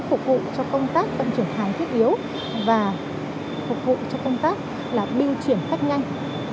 phục vụ cho công tác là biêu chuyển khách nhanh